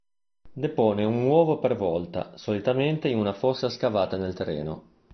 Depone un uovo per volta, solitamente in una fossa scavata nel terreno.